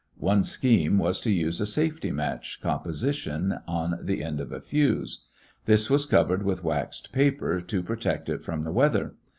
One scheme was to use a safety match composition on the end of a fuse. This was covered with waxed paper to protect it from the weather.